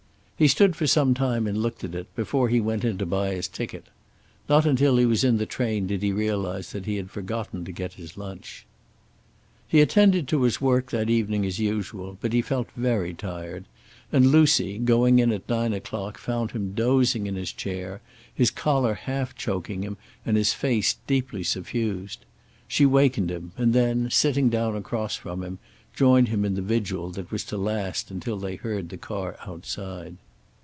He stood for some time and looked at it, before he went in to buy his ticket. Not until he was in the train did he realize that he had forgotten to get his lunch. He attended to his work that evening as usual, but he felt very tired, and Lucy, going in at nine o'clock, found him dozing in his chair, his collar half choking him and his face deeply suffused. She wakened him and then, sitting down across from him, joined him in the vigil that was to last until they heard the car outside.